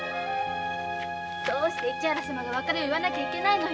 なぜ市原様が別れを言わなきゃいけないの？